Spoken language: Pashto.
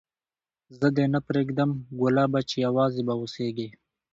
زه دي نه پرېږدم ګلابه چي یوازي به اوسېږې